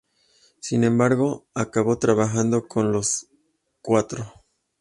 Sin embargo, acabó trabajando con los cuatro.